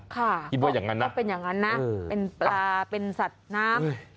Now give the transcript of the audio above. คิดว่าอย่างนั้นนะเป็นปลาเป็นสัตว์น้ำ